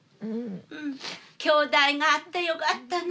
きょうだいがあってよかったな。